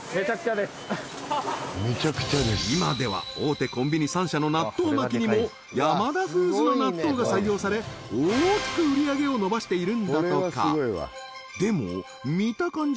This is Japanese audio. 今では大手コンビニ３社の納豆巻きにもヤマダフーズの納豆が採用され大きく売り上げを伸ばしているんだとかでも見た感じ